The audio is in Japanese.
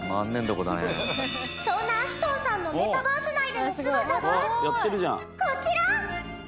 そんなアシュトンさんのメタバース内での姿がこちら！